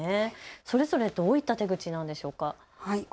それぞれどういった手口なのでしょうか。